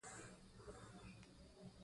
پښتانه پوهيږي، چې ښځې د دوی ملکيت نه دی